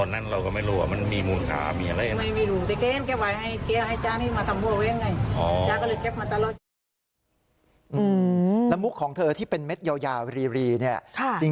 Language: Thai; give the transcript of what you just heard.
แล้วมุกของเธอที่เป็นเม็ดยาวรีเนี่ย